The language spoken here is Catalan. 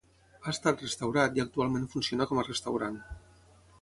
Ha estat restaurat i actualment funciona com a restaurant.